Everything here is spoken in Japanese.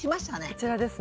こちらですね。